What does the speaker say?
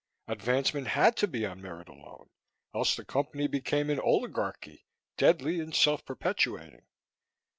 Advancement had to be on merit alone ... else the Company became an oligarchy, deadly and self perpetuating.